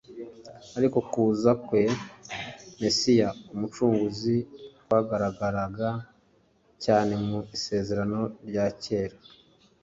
Ariko kuza kwa Mesiya Umucunguzi kwagaragaraga cyane mu Isezerano rya kera.